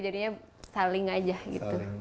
jadinya saling aja gitu